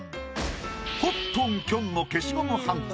コットンきょんの消しゴムはんこ